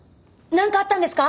何かあったんですか？